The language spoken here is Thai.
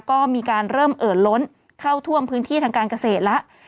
ก็มีการเริ่มเอ่อล้นเข้าท่วมพื้นที่ทางการเกษตรแล้ว